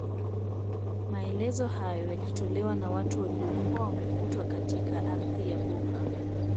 Maelezo hayo yalitolewa na watu waliokuwa wamekutwa katika ardhi ya Buha